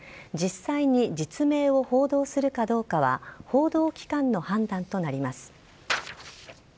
実際に実名を報道するかどうかは報道機関の判断となります。